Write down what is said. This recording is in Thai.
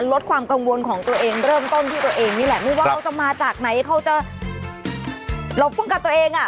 ลดความกังวลของตัวเองเริ่มต้นที่ตัวเองนี่แหละไม่ว่าเขาจะมาจากไหนเขาจะหลบป้องกันตัวเองอ่ะ